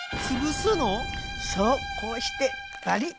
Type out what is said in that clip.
そうこうしてバリッ。